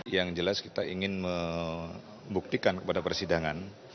yang jelas kita ingin membuktikan kepada persidangan